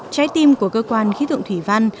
trái tim của cơ quan khí tượng thủy văn